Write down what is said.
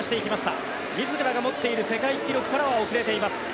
自らが持っている世界記録からは遅れています。